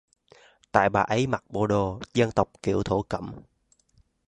tại bà ấy mặc bồ đồ dân tộc kiểu thổ cẩm